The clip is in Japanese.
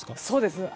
そうです。